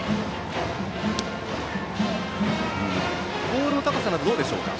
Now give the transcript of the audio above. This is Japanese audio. ボールの高さなどどうでしょうか。